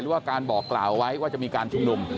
ว่าการบอกกล่าวไว้ว่าจะมีการชุมนุม